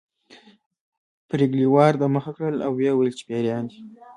پريګلې وار د مخه کړ او وویل چې پيريان دي